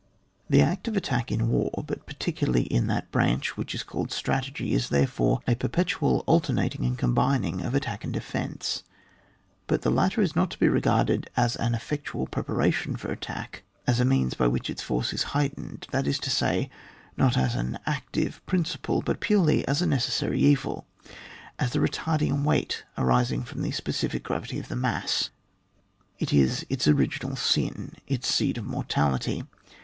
The act of attack in war, but particu larly in that branch which is called strategy, is therefore a perpetual alter nating and combining of attack and de fence ; but the latter is not to be regarded as an effectual preparation for attack, as a means by which its force is heightened, that is to say, not as an active principle, but purely as a necessary evil; as the retarding weight arising from the specific gpravity of the mass ; it is its original sin, its seed of mortality.